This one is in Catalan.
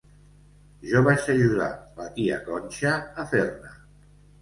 Jo vaig ajudar la Tia Conxa a fer-ne.